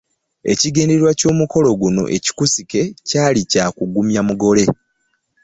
Ekigendererwa ky’omukolo guno ekikusike kyali kya kugumya mugole.